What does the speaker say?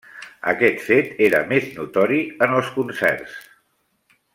Aquest fet era més notori en els concerts.